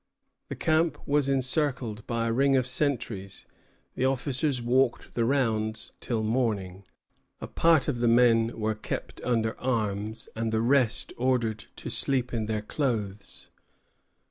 The camp was encircled by a ring of sentries; the officers walked the rounds till morning; a part of the men were kept under arms, and the rest ordered to sleep in their clothes.